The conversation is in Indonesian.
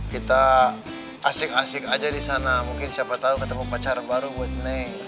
kita asik asik aja disana mungkin siapa tau ketemu pacar baru buat neng